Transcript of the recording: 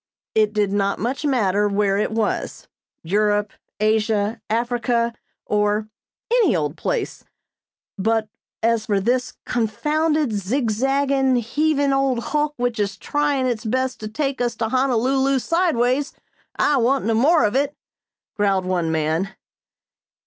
It did not much matter where it was Europe, Asia, Africa or "any old place"; but as for this "confounded, zig zaggin', heavin' old hulk which is tryin' its best to take us to Honolulu sideways I want no more of it!" growled one man.